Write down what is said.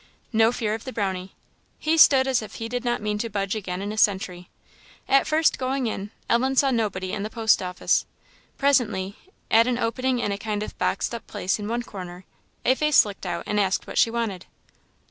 No fear of the Brownie. He stood as if he did not mean to budge again in a century. At first going in, Ellen saw nobody in the post office; presently, at an opening in a kind of boxed up place in one corner, a face looked out and asked what she wanted.